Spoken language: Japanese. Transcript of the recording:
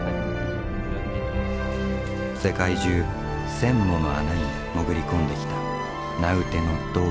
世界中１，０００もの穴に潜り込んできた名うての洞窟探検家だ。